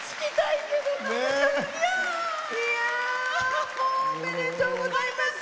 いやー、おめでとうございます。